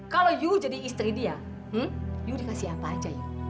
kalau you jadi istri dia you dikasih apa aja you